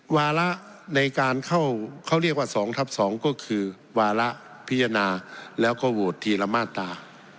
วาระในการเข้าเขาเรียกว่า๒ทับ๒ก็คือวาระพิจารณาแล้วก็โหวตทีละมาตรา